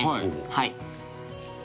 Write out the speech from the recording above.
はい。